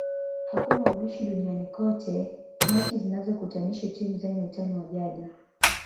Hakuna ubishi duniani kote mechi zinazokutanisha timu zenye utani wa jadi